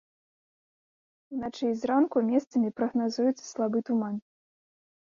Уначы і зранку месцамі прагназуецца слабы туман.